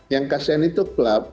yang kasihan itu klub